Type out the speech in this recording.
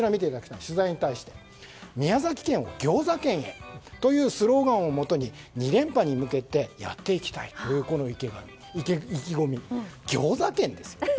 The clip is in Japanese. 取材に対して、宮崎県をぎょうざ県へというスローガンをもとに２連覇に向けてやっていきたいという意気込みがありました。